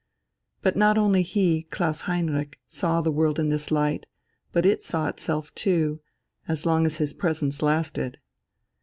But not only he, Klaus Heinrich, saw the world in this light, but it saw itself too, as long as his presence lasted.